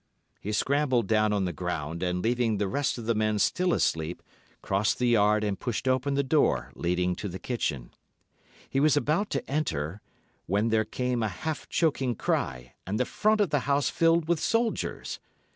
He scrambled down on to the ground, and, leaving the rest of the men still asleep, crossed the yard and pushed open the door leading to the kitchen. He was about to enter, when there came a half choking cry and the front of the house filled with soldiers.